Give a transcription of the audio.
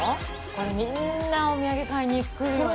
これみんなお土産買いにくるよね